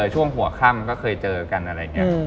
ช่วงหัวค่ำก็เคยเจอกันอะไรอย่างนี้